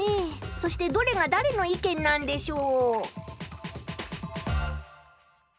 そしてどれがだれの意見なんでしょう？